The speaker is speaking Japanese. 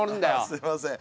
すみません。